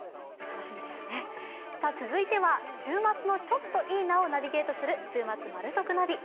続いては週末のちょっといいなをナビゲートする「週末マル得ナビ」。